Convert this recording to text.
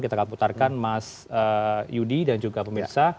kita akan putarkan mas yudi dan juga pemirsa